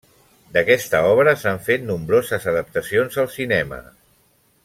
D'aquesta obra s'han fet nombroses adaptacions al cinema.